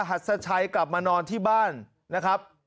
หัสชัยกลับมานอนที่บ้านนะครับ